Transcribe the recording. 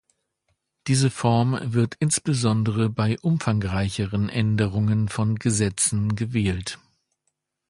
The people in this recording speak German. Diese Form wird insbesondere bei umfangreicheren Änderungen von Gesetzen gewählt.